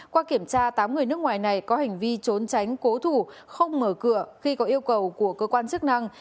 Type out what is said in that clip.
qua kiểm tra tám người nước ngoài này có hành vi trốn tránh cố thủ không mở cửa khi có yêu cầu của cơ quan chức năng